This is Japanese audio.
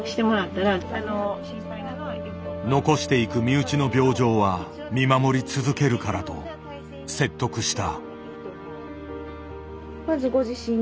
残していく身内の病状は見守り続けるからと説得した。